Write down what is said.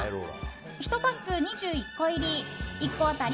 １パック２１個入り１個当たり